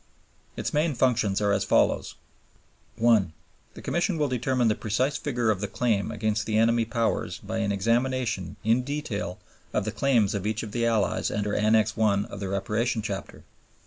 Its main functions are as follows: 1. The Commission will determine the precise figure of the claim against the enemy Powers by an examination in detail of the claims of each of the Allies under Annex I. of the Reparation Chapter.